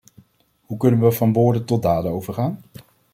Hoe kunnen we van woorden tot daden overgaan?